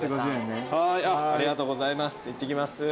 いってきます。